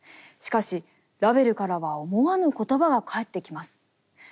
しかしラヴェルからは思わぬ言葉が返ってきます。